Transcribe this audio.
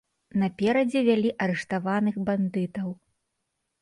Наперадзе вялі арыштаваных бандытаў.